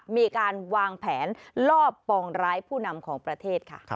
มีการวางแผนลอบปองร้ายผู้นำของประเทศค่ะ